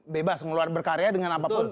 bebas ngeluar berkarya dengan apapun